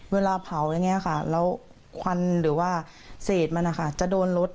เวลาเผาอย่างนี้ค่ะแล้วควันหรือว่าเศษมันนะคะจะโดนรถ